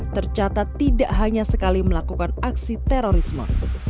tercatat tidak hanya sekali melakukan aksi terorisme